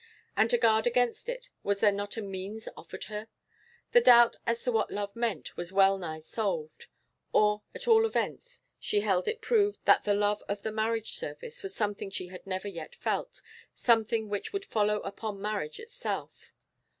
And to guard against it, was there not a means offered her? The doubt as to what love meant was well nigh solved; or at all events she held it proved that the 'love' of the marriage service was something she had never yet felt, something which would follow upon marriage itself.